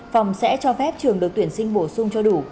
phòng sẽ cho phép trường được tuyển sinh bổ sung cho đủ